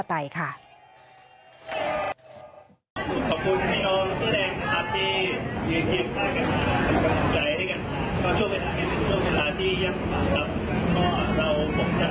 แล้วก็เราก็จะรับข้อเสนอและก็แถลงการของที่เราจะแสดง